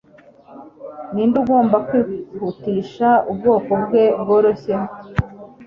ninde ugomba kwihutisha ubwoko bwe bworoshye